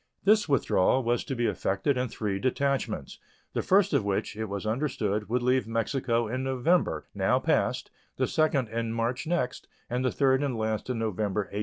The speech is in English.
This withdrawal was to be effected in three detachments, the first of which, it was understood, would leave Mexico in November, now past, the second in March next, and the third and last in November, 1867.